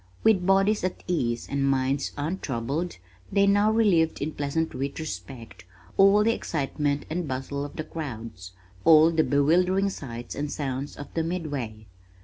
With bodies at ease and minds untroubled, they now relived in pleasant retrospect all the excitement and bustle of the crowds, all the bewildering sights and sounds of the Midway.